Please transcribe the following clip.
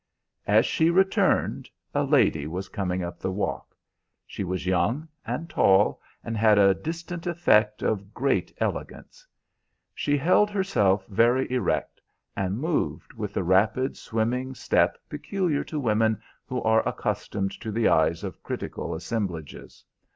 As she returned, a lady was coming up the walk. She was young and tall, and had a distant effect of great elegance. She held herself very erect, and moved with the rapid, swimming step peculiar to women who are accustomed to the eyes of critical assemblages.